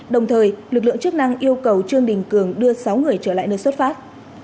đồng thời lực lượng chức năng yêu cầu trương đình cường đưa sáu người trở lại nơi xuất phát